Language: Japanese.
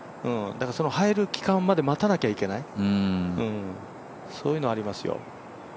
その入る期間まで待たなきゃいけないそういうのありますよ。